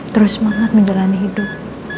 terus semangat menjalani hidup